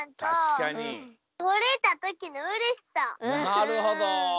なるほど。